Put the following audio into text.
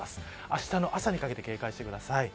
あしたの朝にかけて警戒してください。